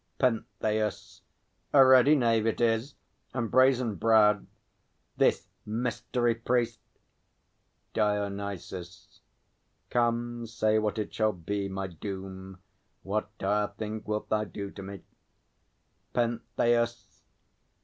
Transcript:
PENTHEUS. A ready knave it is, and brazen browed, This mystery priest! DIONYSUS. Come, say what it shall be, My doom; what dire thing wilt thou do to me? PENTHEUS.